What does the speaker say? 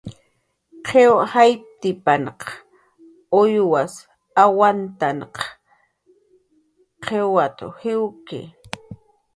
"Qiw jayptipan uyws awantaq qiwat"" jiwki "